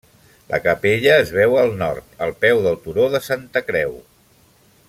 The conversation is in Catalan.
La capella es veu al nord, al peu del turó de Santa Creu.